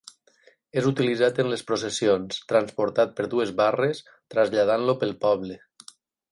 És utilitzat en les processions, transportat per dues barres, traslladant-lo pel poble.